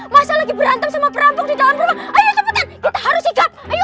mas an lagi berantem sama perambuk di dalam rumah ayo cepetan kita harus igap ayo